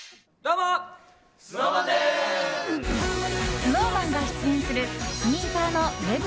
ＳｎｏｗＭａｎが出演するスニーカーのＷＥＢ